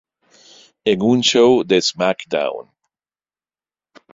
En un show de SmackDown!